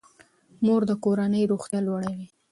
مور د کورنۍ روغتیا لوړوي.